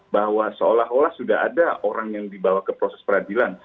bahwa seolah olah sudah ada orang yang dibawa ke proses peradilan